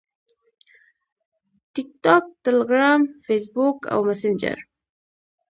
- Facebook، Telegram، TikTok او Messenger